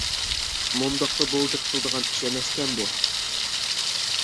مۇنداقلا بولدى قىلىدىغان ئىش ئەمەسكەن بۇ.